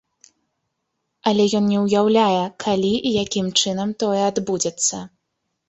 Але ён не ўяўляе калі і якім чынам тое адбудзецца.